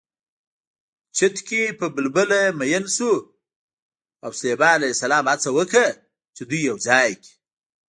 چتکي په بلبله مین شو او سلیمان ع هڅه وکړه چې دوی یوځای کړي